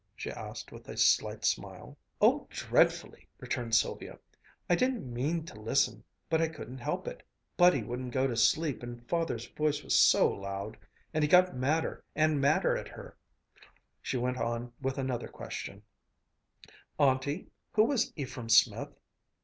she asked with a slight smile. "Oh, dreadfully!" returned Sylvia. "I didn't mean to listen, but I couldn't help it. Buddy wouldn't go to sleep and Father's voice was so loud and he got madder and madder at her." She went on with another question, "Auntie, who was Ephraim Smith?"